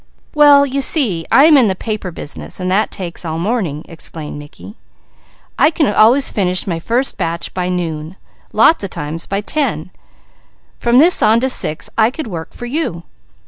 "Well you see I am in the paper business and that takes all morning," explained Mickey. "I can always finish my first batch by noon, lots of times by ten; from that on to six I could work for you."